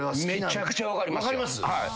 めちゃくちゃ分かりますよ。